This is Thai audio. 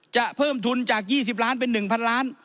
เพิ่มทุนจาก๒๐ล้านเป็น๑๐๐ล้าน